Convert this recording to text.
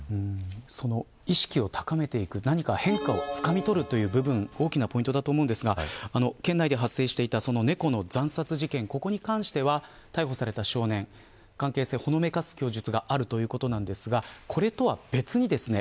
その意識を高めていく何か変化をつかみ取るという部分大きなポイントだと思いますが県内で発生していた猫の惨殺事件、ここに関しては逮捕された少年、関係性をほのめかす供述があるということなんですがこれとは別にですね